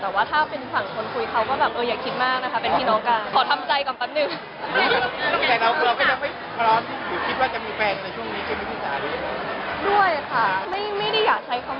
แต่ว่าถ้าเป็นฝั่งคนคุยเขาก็แบบเอออย่าคิดมากนะคะเป็นพี่น้องกันแป๊บหนึ่ง